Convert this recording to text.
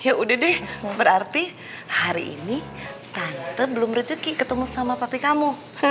ya udah deh berarti hari ini tante belum rezeki ketemu sama papi kamu